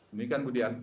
demikian bu dian